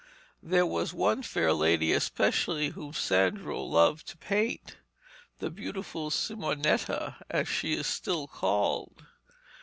There was one fair lady especially whom Sandro loved to paint the beautiful Simonetta, as she is still called.